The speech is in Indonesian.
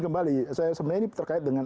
kembali sebenarnya ini terkait dengan